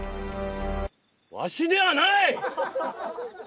わしではない！